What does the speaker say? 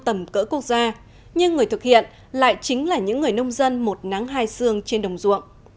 tầm cỡ quốc gia nhưng người thực hiện lại chính là những người nông dân một nắng hai xương trên đồng ruộng